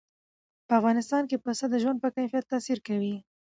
په افغانستان کې پسه د ژوند په کیفیت تاثیر کوي.